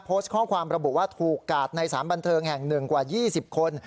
โพสต์ข้อความระบุว่าถูกกาดในสารบันเทิงแห่งหนึ่งกว่า๒๐คน